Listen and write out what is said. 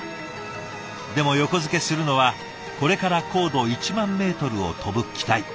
でも横付けするのはこれから高度１万メートルを飛ぶ機体。